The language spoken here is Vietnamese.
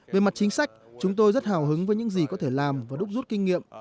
về mặt chính sách chúng tôi rất hào hứng với những gì có thể làm và đúc rút kinh nghiệm